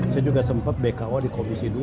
saya juga sempat bko di komisi dua